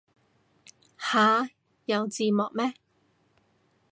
吓有字幕咩